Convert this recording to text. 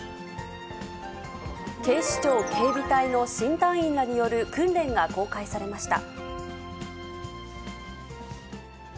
警視庁警備隊の新隊員らによる訓練が公開されました。